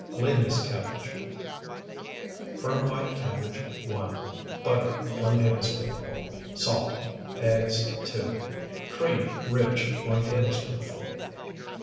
LADIES' CABBAGE Firm, white cabbage, 1. Butter, 1 tablespoonful. Salt. Eggs, 2. Cream, rich, 1 tablespoonful.